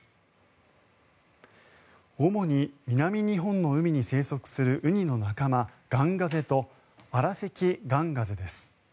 主に南日本の海に生息するウニの仲間、ガンガゼとアラサキガンガゼです。